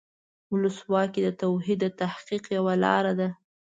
ولسواکي د توحید د تحقق یوه لاره ده.